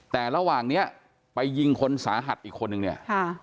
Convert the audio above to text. แต่ระหว่างเนี้ยไปยิงคนสาหัสอีกคนนึงเนี่ยค่ะ